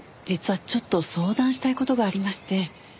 実はちょっと相談したい事がありまして。